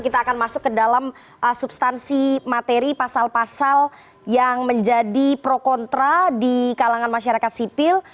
kita akan masuk ke dalam substansi materi pasal pasal yang menjadi pro kontra di kalangan masyarakat sipil